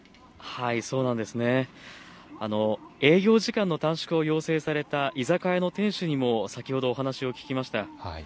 営業時間の短縮を要請された居酒屋の店主にも先ほどお話を聞きました。